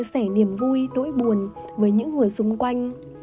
nước mắt này giúp bạn trả niềm vui nỗi buồn với những người xung quanh